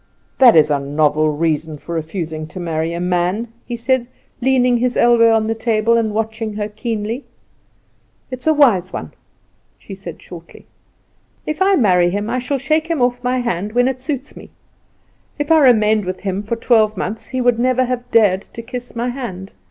"That is a novel reason for refusing to marry a man," he said, leaning his elbow on the table and watching her keenly. "It is a wise one," she said shortly. "If I marry him I shall shake him off my hand when it suits me. If I remained with him for twelve months he would never have dared to kiss my hand.